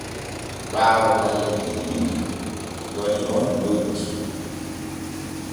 Ɓaawo balɗe jeeɗiɗi goni on doggi.